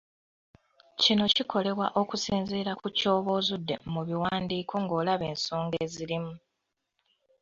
kino kikolebwa okusinziira ku ky’oba ozudde mu biwandiiko ng’olaba esonga ezirimu.